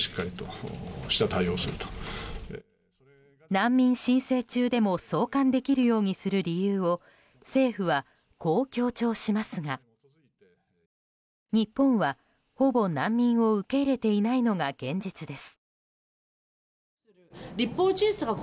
難民申請中でも送還できるようにする理由を政府はこう強調しますが日本は、ほぼ難民を受け入れていないのが現実です。